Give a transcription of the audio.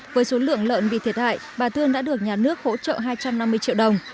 với số lượng lợn bị thiệt hại bà thương đã được nhà nước hỗ trợ hai trăm năm mươi triệu đồng